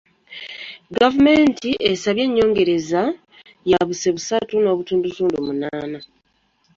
Gavumenti esabye ennyongereza ya buse busatu n'obutundutundu munaana.